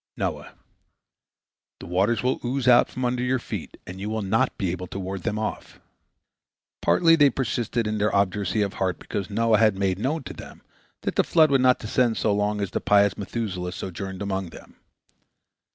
Noah: "The waters will ooze out from under your feet, and you will not be able to ward them off." Partly they persisted in their obduracy of heart because Noah had made known to them that the flood would not descend so long as the pious Methuselah sojourned among them.